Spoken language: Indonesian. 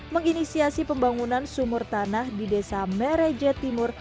menginisiasi pembangunan sumur tanah di desa mereje timur